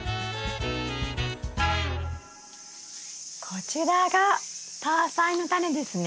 こちらがタアサイのタネですね。